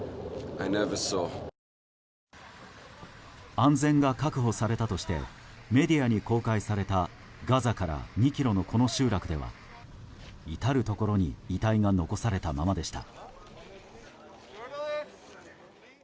安全が確保されたとしてメディアに公開されたガザから２ｋｍのこの集落では至るところに遺体が残されたままでした。